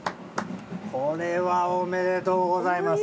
これはおめでとうございます。